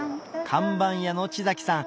看板屋の地さん